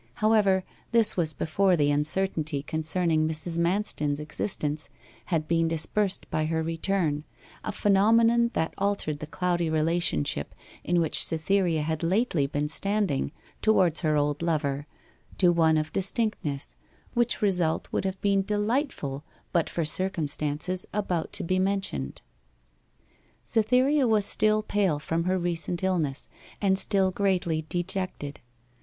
However, this was before the uncertainty concerning Mrs. Manston's existence had been dispersed by her return, a phenomenon that altered the cloudy relationship in which Cytherea had lately been standing towards her old lover, to one of distinctness; which result would have been delightful but for circumstances about to be mentioned. Cytherea was still pale from her recent illness, and still greatly dejected.